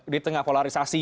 di tengah polarisasi